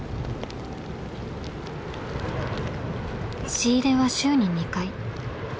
仕入れは週に２回。